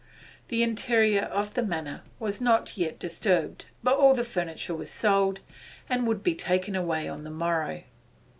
The interior of the Manor was not yet disturbed, but all the furniture was sold, and would be taken away on the morrow.